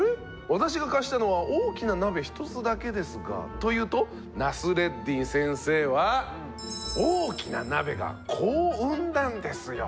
私が貸したのは大きな鍋１つだけですが」と言うとナスレッディン先生は「大きな鍋が子を産んだんですよ」と言いました。